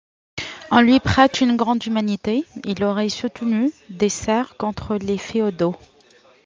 On lui prête une grande Humanité, il aurait soutenu des serfs contre les féodaux.